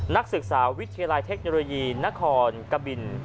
นักศึกษาวิทยาลัยเทคโนโลยีนครกบิน